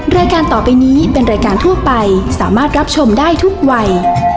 รายการต่อไปนี้เป็นรายการทั่วไปสามารถรับชมได้ทุกวัย